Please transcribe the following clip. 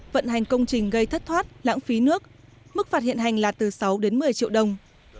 vận hành công trình gây thất thoát lãng phí nước mức phạt hiện hành là từ sáu đến một mươi triệu đồng